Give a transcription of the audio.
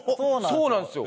そうなんですよ。